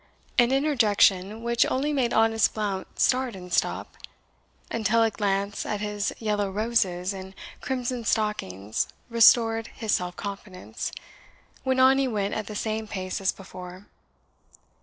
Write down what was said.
an interjection which only made honest Blount start and stop, until a glance at his yellow roses and crimson stockings restored his self confidence, when on he went at the same pace as before.